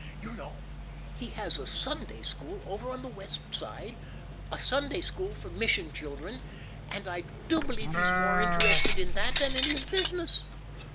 You know he has a Sunday school over on the West Side, a Sunday school for mission children, and I do believe he's more interested in that than in his business.